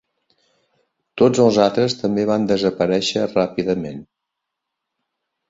Tots els altres també van desaparèixer ràpidament.